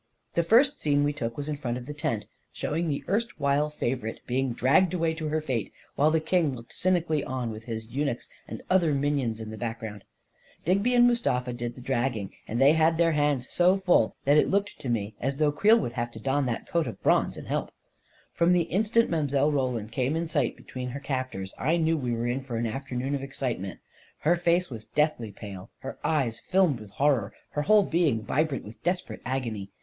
The first scene we took was in front of the tent, showing the erstwhile favorite being dragged away to her fate, while the king looked cynically on, with his eunuchs and other minions in the background. Digby and Mustafa did the dragging, and they had their hands so full that it looked to me as though 252 A KING IN, BABYLON Creel would have to don that coat of bronze and help! From the instant Mile. Roland came in sight be tween her captors, I knew we were in for an after noon of excitement. Her face was deathly pale, her eyes filmed with horror, her whole being vibrant with desperate agony.